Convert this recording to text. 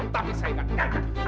tapi saya tidak